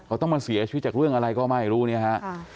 เขาต้องมาเสียชีวิตจากเรื่องอะไรก็ไม่รู้เนี่ยฮะ